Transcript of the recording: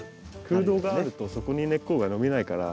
空洞があるとそこに根っこが伸びないから。